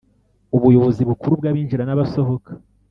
Ubuyobozi Bukuru bw Abinjira n’abasohoka